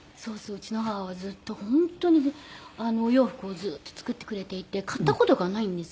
うちの母は本当にお洋服をずっと作ってくれていて買った事がないんですよ。